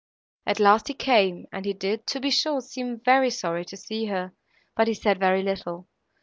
At last, he came, and he did, to be sure, seem very sorry to see her, but he said very little.